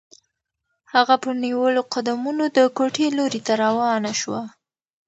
هغه په نیولو قدمونو د کوټې لوري ته روانه شوه.